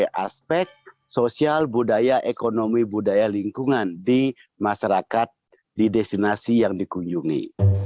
ada aspek sosial budaya ekonomi budaya lingkungan di masyarakat di destinasi yang dikunjungi